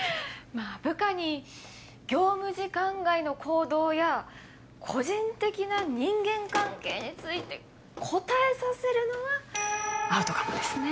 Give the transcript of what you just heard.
まぁ部下に業務時間外の行動や個人的な人間関係について答えさせるのはアウトかもですね。